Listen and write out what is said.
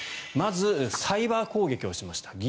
まずサイバー攻撃をしました。